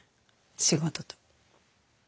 仕事と。